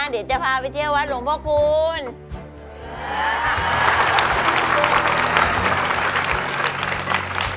เดี๋ยวจะพาไปเที่ยววัดหลวงพ่อคูณ